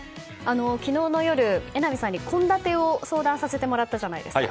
昨日の夜、榎並さんに献立を相談させてもらったじゃないですか。